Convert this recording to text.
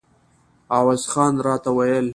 عوض خان راته ویل.